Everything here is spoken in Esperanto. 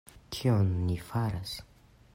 Kion ni faras?